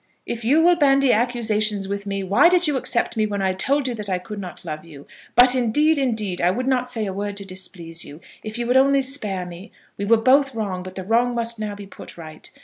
"If you will bandy accusations with me, why did you accept me when I told you that I could not love you? But, indeed, indeed, I would not say a word to displease you, if you would only spare me. We were both wrong; but the wrong must now be put right.